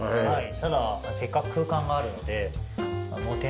ただせっかく空間があるので天井なしで。